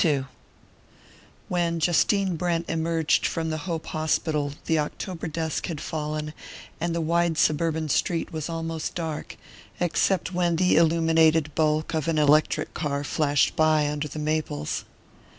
II WHEN Justine Brent emerged from the Hope Hospital the October dusk had fallen and the wide suburban street was almost dark, except when the illuminated bulk of an electric car flashed by under the maples.